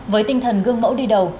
với tinh thần gương mẫu đi đầu